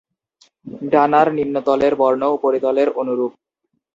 ডানার নিম্নতলের বর্ণ উপরিতলের অনুরূপ।